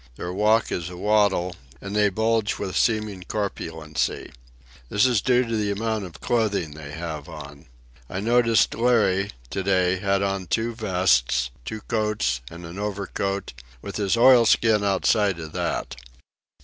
Their walk is a waddle, and they bulge with seeming corpulency. This is due to the amount of clothing they have on. I noticed Larry, to day, had on two vests, two coats, and an overcoat, with his oilskin outside of that.